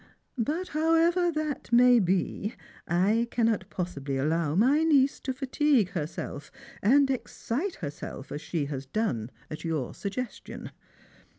But, however that may be, I cannot pos sibly allow my niece to fatigue herself and excite herself as she has done at your suggestion.